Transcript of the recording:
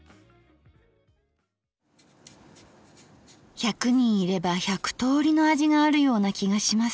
１００人いれば１００通りの味があるような気がします